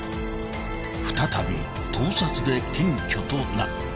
［再び盗撮で検挙となった］